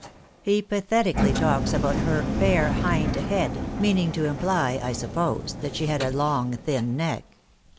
He pathetically talks about her fair hind head," meaning to imply, I suppose, that she had a long, thin neck.